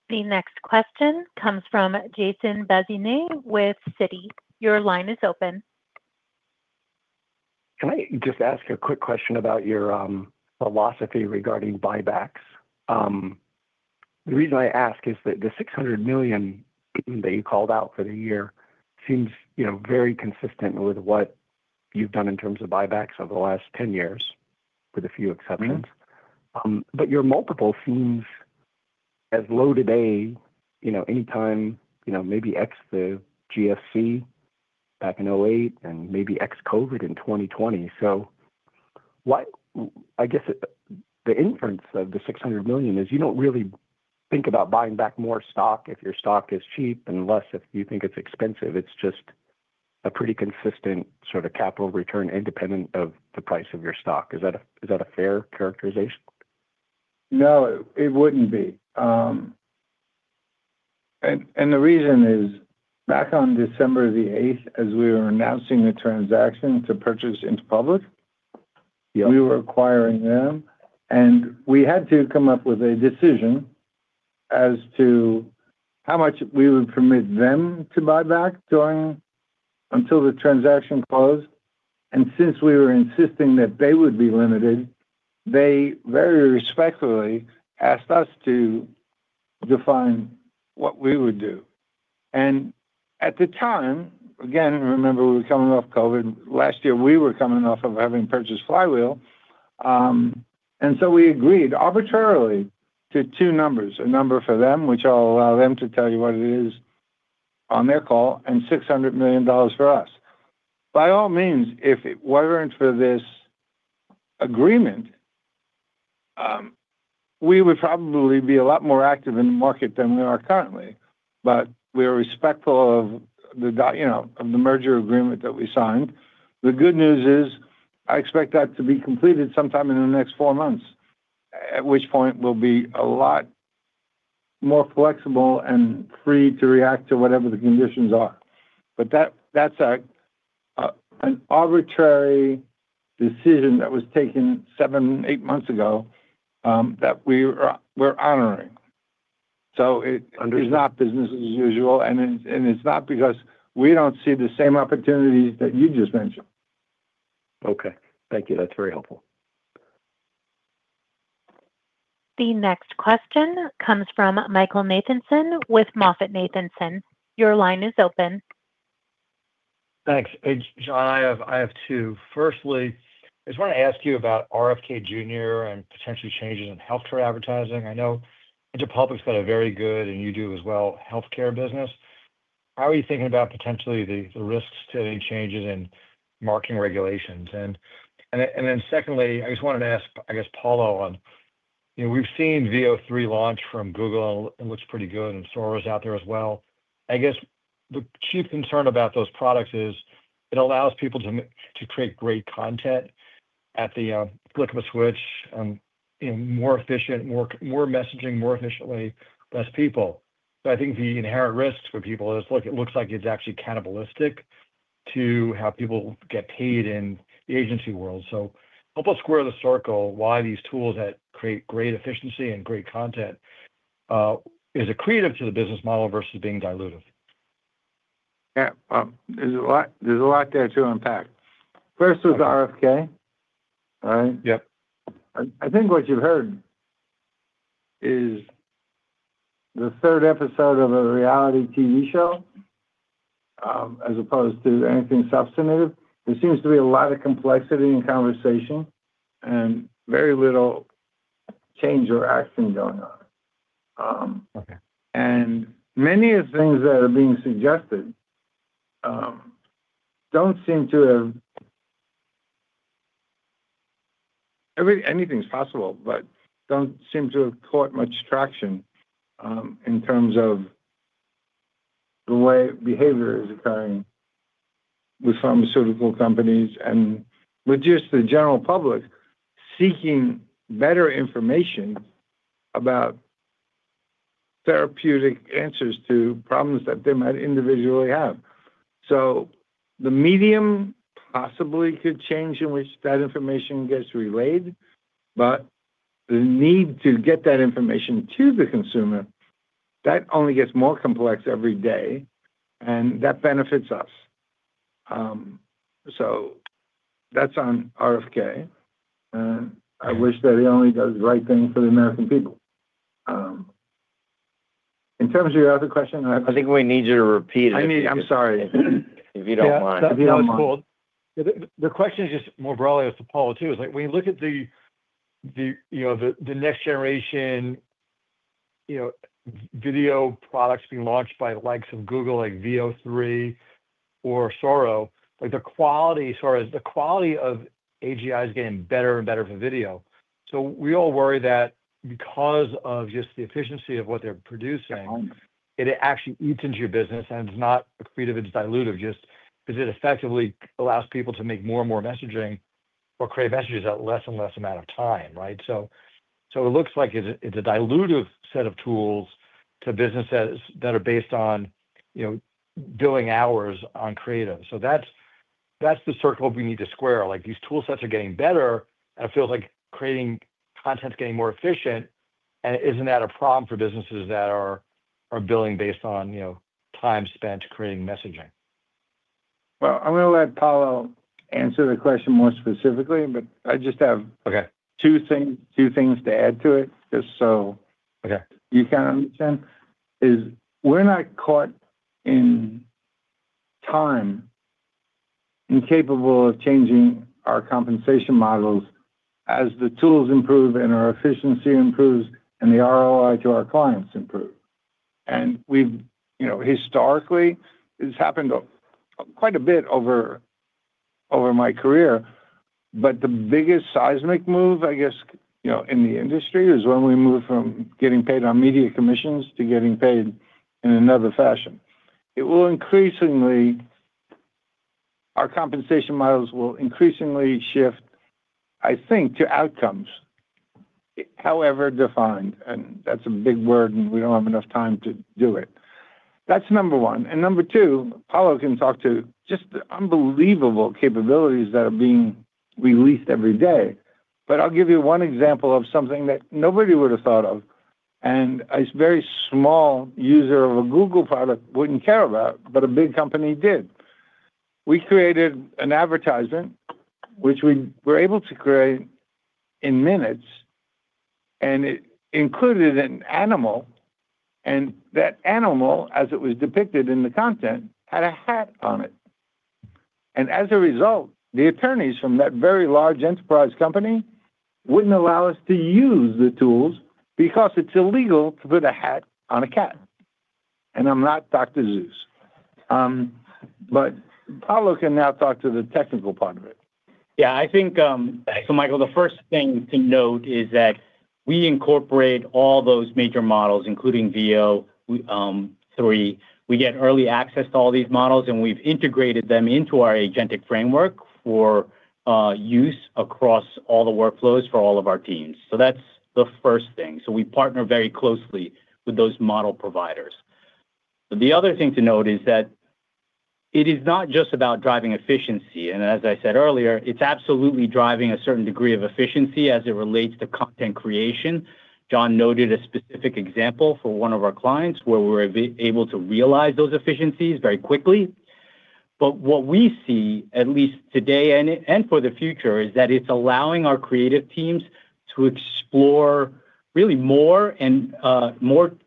The next question comes from Jason Bazinet with Citi. Your line is open. Can I just ask a quick question about your philosophy regarding buybacks? The reason I ask is that the $600 million that you called out for the year seems very consistent with what you've done in terms of buybacks over the last 10 years, with a few exceptions. But your multiple seems. As low today anytime maybe ex the GSC back in 2008 and maybe ex-COVID in 2020. I guess the inference of the $600 million is you do not really think about buying back more stock if your stock is cheap, unless if you think it is expensive. It is just a pretty consistent sort of capital return independent of the price of your stock. Is that a fair characterization? No, it would not be. The reason is back on December the 8th, as we were announcing the transaction to purchase Interpublic. We were acquiring them, and we had to come up with a decision as to how much we would permit them to buy back until the transaction closed. Since we were insisting that they would be limited, they very respectfully asked us to define what we would do. At the time, again, remember, we were coming off COVID. Last year, we were coming off of having purchased Flywheel. We agreed arbitrarily to two numbers: a number for them, which I'll allow them to tell you what it is on their call, and $600 million for us. By all means, if it were not for this agreement, we would probably be a lot more active in the market than we are currently. We are respectful of the merger agreement that we signed. The good news is I expect that to be completed sometime in the next four months, at which point we will be a lot more flexible and free to react to whatever the conditions are. That is an arbitrary decision that was taken seven or eight months ago that we are honoring. It is not business as usual, and it is not because we do not see the same opportunities that you just mentioned. Okay. Thank you. That is very helpful. The next question comes from Michael Nathanson with MoffettNathanson. Your line is open. Thanks. John, I have two. Firstly, I just want to ask you about RFK Jr. and potentially changes in healthcare advertising. I know Interpublic has got a very good, and you do as well, healthcare business. How are you thinking about potentially the risks to any changes in marketing regulations? And then secondly, I just wanted to ask, I guess, Paolo on. We have seen Veo 3 launch from Google, and it looks pretty good, and Sora is out there as well. I guess the chief concern about those products is it allows people to create great content at the click of a switch and. More efficient, more messaging more efficiently, less people. I think the inherent risk for people is it looks like it's actually cannibalistic to how people get paid in the agency world. Help us square the circle: why these tools that create great efficiency and great content. Is it accretive to the business model versus being dilutive? Yeah. There's a lot there to unpack. First is RFK. All right? Yep. I think what you've heard is the third episode of a reality TV show as opposed to anything substantive. There seems to be a lot of complexity in conversation and very little change or action going on. Many of the things that are being suggested do not seem to have—anything's possible, but do not seem to have caught much traction in terms of the way behavior is occurring with pharmaceutical companies and with just the general public seeking better information about. Therapeutic answers to problems that they might individually have. The medium possibly could change in which that information gets relayed, but the need to get that information to the consumer, that only gets more complex every day, and that benefits us. That is on RFK. I wish that he only does the right thing for the American people. In terms of your other question, I think we need you to repeat it. I mean, I'm sorry if you don't mind. Yeah, that was cool. The question is just more broadly as to Paul too. It's like when you look at the next-generation video products being launched by the likes of Google like Veo 3 or Sora, the quality of AGI is getting better and better for video. We all worry that because of just the efficiency of what they're producing, it actually eats into your business and is not a Creative, it's dilutive. Just because it effectively allows people to make more and more messaging or create messages at less and less amount of time, right? It looks like it's a dilutive set of tools to businesses that are based on billing hours on Creative. That's the circle we need to square. These toolsets are getting better, and it feels like creating content's getting more efficient, and isn't that a problem for businesses that are billing based on time spent creating messaging? I'm going to let Paolo answer the question more specifically, but I just have two things to add to it just so you can understand. We're not caught in time. Incapable of changing our compensation models as the tools improve and our efficiency improves and the ROI to our clients improves. Historically, it's happened quite a bit over my career, but the biggest seismic move, I guess, in the industry is when we move from getting paid on Media commissions to getting paid in another fashion. Our compensation models will increasingly shift, I think, to outcomes. However defined. That's a big word, and we don't have enough time to do it. That's number one. Number two, Paolo can talk to just unbelievable capabilities that are being released every day. I'll give you one example of something that nobody would have thought of, and a very small user of a Google product wouldn't care about, but a big company did. We created an advertisement, which we were able to create in minutes. It included an animal. That animal, as it was depicted in the content, had a hat on it. As a result, the attorneys from that very large enterprise company would not allow us to use the tools because it is illegal to put a hat on a cat. I am not Dr. Seuss. Paolo can now talk to the technical part of it. Yeah. I think, so Michael, the first thing to note is that we incorporate all those major models, including Veo 3. We get early access to all these models, and we have integrated them into our agentic framework for use across all the workflows for all of our teams. That is the first thing. We partner very closely with those model providers. The other thing to note is that it is not just about driving efficiency. As I said earlier, it is absolutely driving a certain degree of efficiency as it relates to content creation. John noted a specific example for one of our clients where we were able to realize those efficiencies very quickly. What we see, at least today and for the future, is that it is allowing our Creative teams to explore really more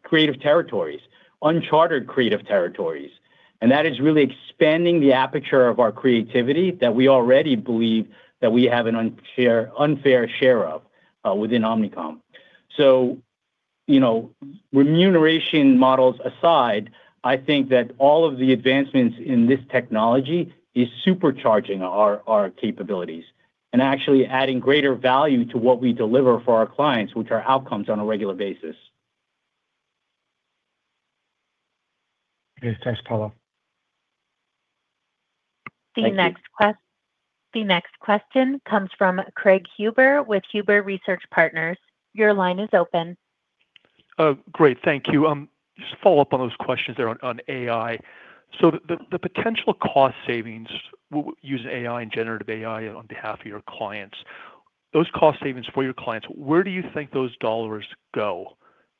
Creative territories, unchartered Creative territories. That is really expanding the aperture of our creativity that we already believe that we have an unfair share of within Omnicom. Remuneration models aside, I think that all of the advancements in this technology are supercharging our capabilities and actually adding greater value to what we deliver for our clients, which are outcomes on a regular basis. Okay. Thanks, Paolo. The next question comes from Craig Huber with Huber Research Partners. Your line is open. Great. Thank you. Just follow up on those questions there on AI. So the potential cost savings using AI and generative AI on behalf of your clients, those cost savings for your clients, where do you think those dollars go?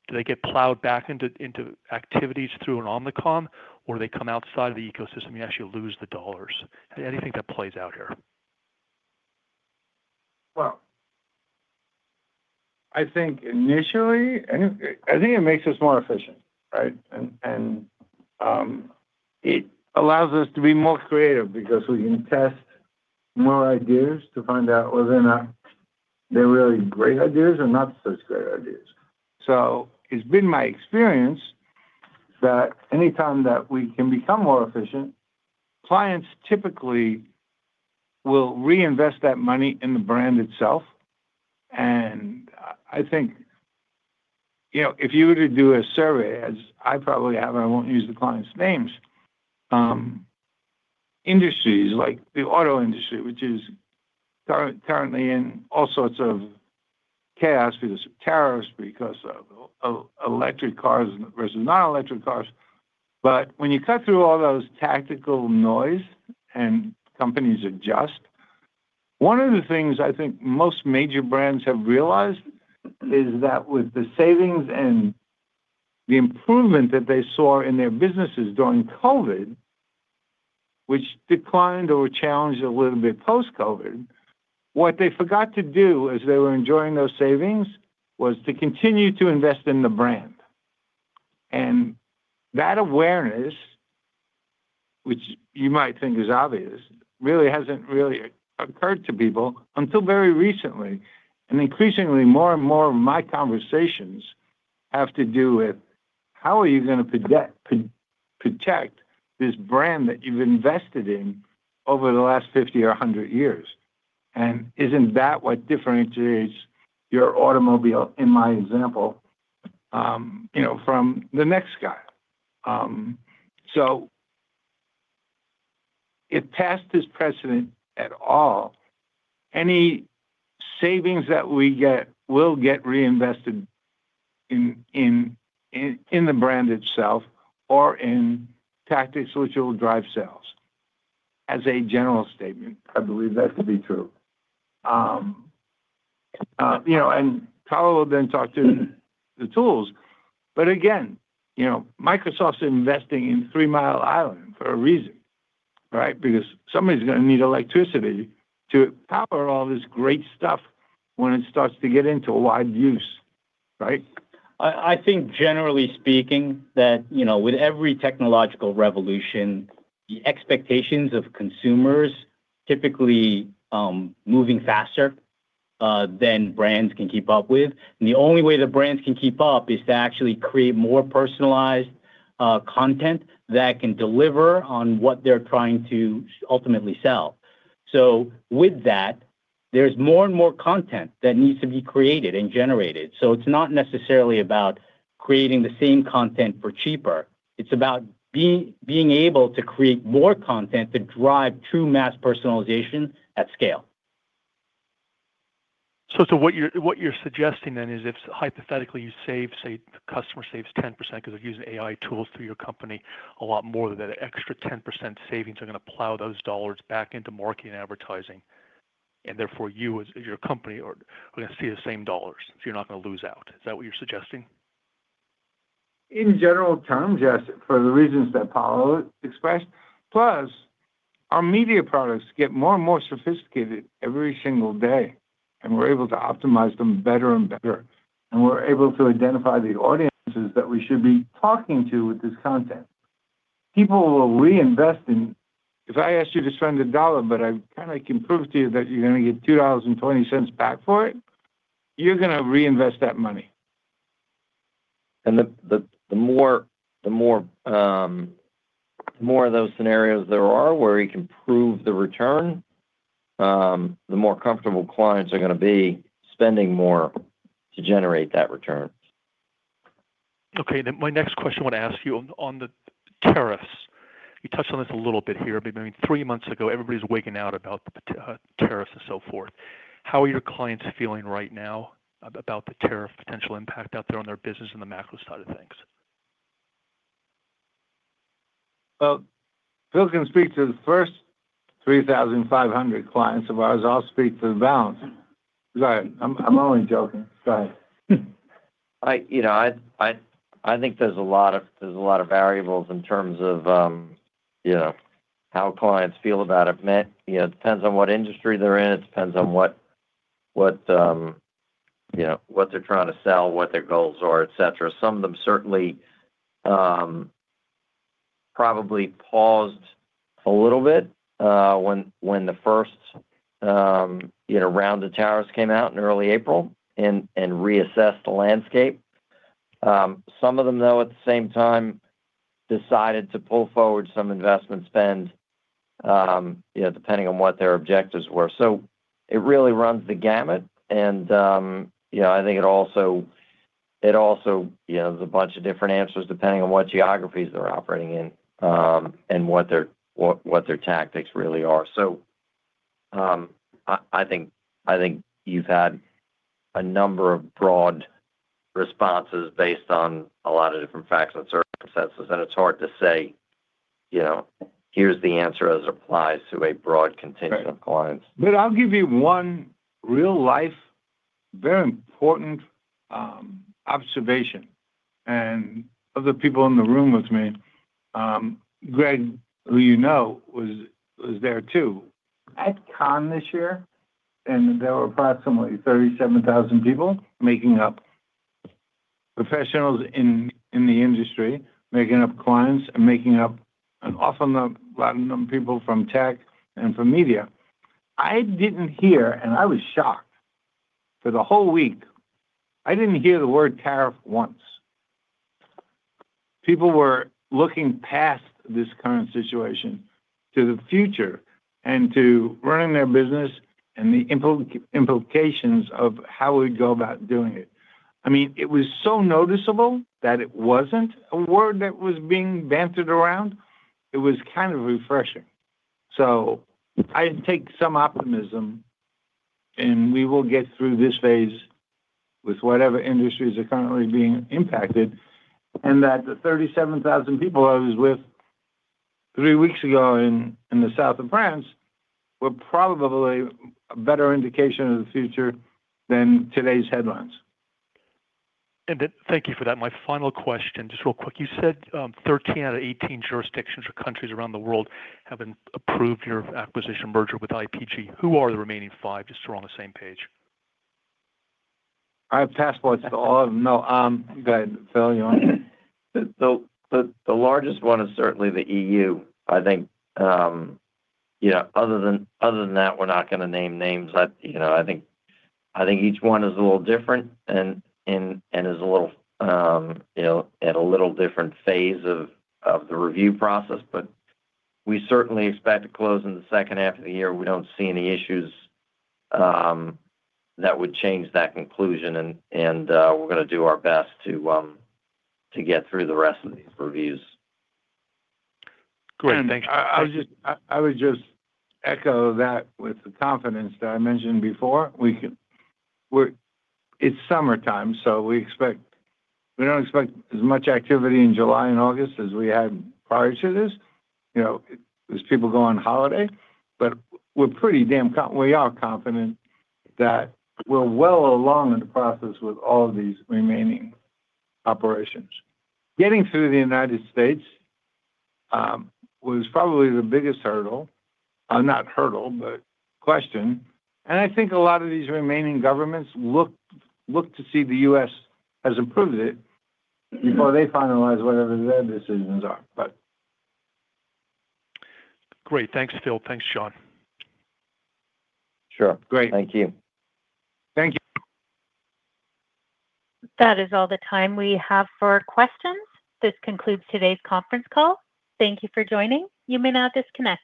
Do they get plowed back into activities through an Omnicom, or do they come outside of the ecosystem and you actually lose the dollars? Anything that plays out here? I think initially, I think it makes us more efficient, right? It allows us to be more creative because we can test more ideas to find out whether or not they're really great ideas or not such great ideas. It's been my experience that anytime that we can become more efficient, clients typically will reinvest that money in the brand itself. And I think if you were to do a survey, as I probably have, and I won't use the clients' names. Industries like the auto industry, which is currently in all sorts of chaos because of tariffs, because of electric cars versus non-electric cars. When you cut through all those tactical noise and companies adjust. One of the things I think most major brands have realized is that with the savings and the improvement that they saw in their businesses during COVID, which declined or challenged a little bit post-COVID, what they forgot to do as they were enjoying those savings was to continue to invest in the brand. That awareness, which you might think is obvious, really hasn't really occurred to people until very recently. Increasingly, more and more of my conversations have to do with, how are you going to protect this brand that you've invested in over the last 50 or 100 years? Is not that what differentiates your automobile, in my example, from the next guy? If past is precedent at all, any savings that we get will get reinvested in the brand itself or in tactics which will drive sales. As a general statement, I believe that to be true. Paolo then talked to the tools. Microsoft's investing in Three Mile Island for a reason, right? Somebody's going to need electricity to power all this great stuff when it starts to get into wide use, right? I think, generally speaking, that with every technological revolution, the expectations of consumers typically move faster than brands can keep up with. The only way that brands can keep up is to actually create more personalized content that can deliver on what they're trying to ultimately sell. With that, there's more and more content that needs to be created and generated. It's not necessarily about creating the same content for cheaper. It's about being able to create more content to drive true mass personalization at scale. What you're suggesting then is if hypothetically you save, say, the customer saves 10% because they're using AI tools through your company, a lot more than that extra 10% savings are going to plow those dollars back into marketing and Advertising. Therefore, you as your company are going to see the same dollars. You're not going to lose out. Is that what you're suggesting? In general terms, yes, for the reasons that Paolo expressed. Plus, our Media products get more and more sophisticated every single day, and we're able to optimize them better and better. We're able to identify the audiences that we should be talking to with this content. People will reinvest in. If I asked you to spend a dollar, but I kind of can prove to you that you're going to get $2.20 back for it, you're going to reinvest that money. The more of those scenarios there are where you can prove the return, the more comfortable clients are going to be spending more to generate that return. Okay. My next question I want to ask you on the tariffs. You touched on this a little bit here, but I mean, three months ago, everybody's waking out about the tariffs and so forth. How are your clients feeling right now about the tariff potential impact out there on their business in the macro side of things? Phil can speak to the first 3,500 clients of ours. I'll speak to the balance. Sorry. I'm only joking. Go ahead. I think there's a lot of variables in terms of how clients feel about it. It depends on what industry they're in. It depends on what they're trying to sell, what their goals are, etc. Some of them certainly probably paused a little bit when the first round of tariffs came out in early April and reassessed the landscape. Some of them, though, at the same time, decided to pull forward some investment spend depending on what their objectives were. It really runs the gamut. I think it also has a bunch of different answers depending on what geographies they're operating in. What their tactics really are. I think you've had a number of broad responses based on a lot of different facts and circumstances that it's hard to say, "Here's the answer as it applies to a broad contingent of clients." I'll give you one real-life, very important observation. Other people in the room with me, Greg, who you know, was there too. At Cannes this year, there were approximately 37,000 people making up professionals in the industry, making up clients, and making up an awful lot of them people from Tech and from Media. I didn't hear, and I was shocked for the whole week, I didn't hear the word tariff once. People were looking past this current situation to the future and to running their business and the implications of how we'd go about doing it. I mean, it was so noticeable that it was not a word that was being bantered around. It was kind of refreshing. I take some optimism. We will get through this phase with whatever industries are currently being impacted, and that the 37,000 people I was with three weeks ago in the South of France were probably a better indication of the future than today's headlines. Thank you for that. My final question, just real quick. You said 13 out of 18 jurisdictions or countries around the world have approved your acquisition merger with IPG. Who are the remaining five just so we are on the same page? I have passports for all of them. No. Go ahead, Phil. You want to? The largest one is certainly the EU, I think. Other than that, we are not going to name names. I think each one is a little different and is a little. At a little different phase of the review process. But we certainly expect to close in the second half of the year. We do not see any issues that would change that conclusion. We are going to do our best to get through the rest of these reviews. Great. Thank you. I would just echo that with the confidence that I mentioned before. It is summertime, so we do not expect as much activity in July and August as we had prior to this. There is people go on holiday. But we are pretty damn confident. We are confident that we are well along in the process with all of these remaining operations. Getting through the U.S. was probably the biggest hurdle. Not hurdle, but question. I think a lot of these remaining governments look to see the U.S. has approved it before they finalize whatever their decisions are, but. Great. Thanks, Phil. Thanks, John. Sure. Great. Thank you. Thank you. That is all the time we have for questions. This concludes today's conference call. Thank you for joining. You may now disconnect.